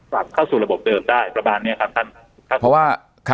ก็อาจจะเข้าสู่ระบบเดิมได้ประมาณนี้ครับท่าน